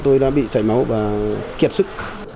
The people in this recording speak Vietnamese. tôi đã bị chảy máu và kiệt sức